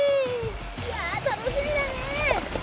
いや楽しみだね。